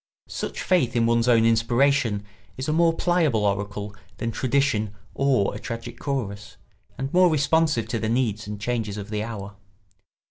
Such faith in one's own inspiration is a more pliable oracle than tradition or a tragic chorus, and more responsive to the needs and changes of the hour.